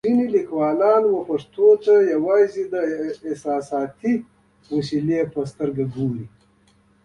ډېری لیکوالان پښتو ته یوازې د احساساتي وسیلې په سترګه ګوري.